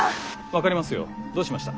分かりますよどうしました？